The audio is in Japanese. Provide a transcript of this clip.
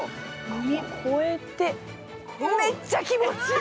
耳越えて、めっちゃき持ちいい。